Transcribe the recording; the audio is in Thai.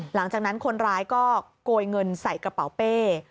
หลังจากนั้นคนร้ายก็โกยเงินใส่กระเป๋าเป้